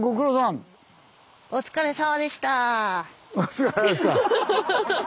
お疲れさまでした。